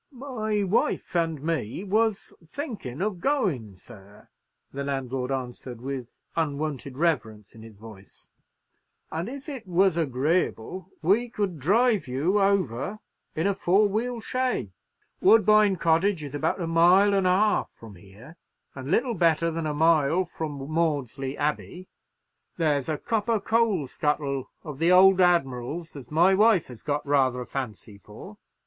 "My wife and me was thinkin' of goin' sir," the landlord answered, with unwonted reverence in his voice; and, if it was agreeable, we could drive you over in a four wheel shay. Woodbine Cottage is about a mile and a half from here, and little better than a mile from Maudesley Abbey. There's a copper coal scuttle of the old admiral's as my wife has got rather a fancy for.